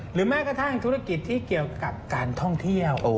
แม้กระทั่งธุรกิจที่เกี่ยวกับการท่องเที่ยว